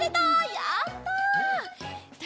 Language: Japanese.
やった！